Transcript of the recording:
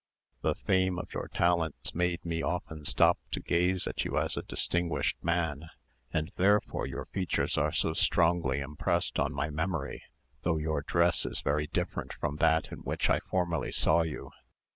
The fame of your talents made me often stop to gaze at you as a distinguished man, and therefore your features are so strongly impressed on my memory, though your dress is very different from that in which I formerly saw you.